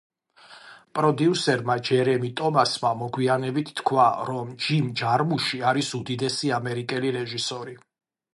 პროდიუსერმა ჯერემი ტომასმა მოგვიანებით თქვა, რომ ჯიმ ჯარმუში არის უდიდესი ამერიკელი რეჟისორი.